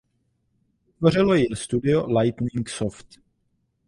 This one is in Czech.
Vytvořilo ji studio Lightning Soft.